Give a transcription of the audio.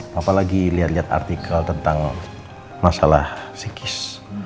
papa lagi liat liat artikel tentang masalah psikis